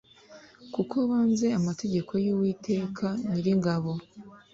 kuko banze amategeko y uwiteka nyiringabo